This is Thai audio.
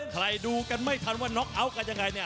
ใครดูกันไม่ทันว่าน็อคเอาท์กันยังไง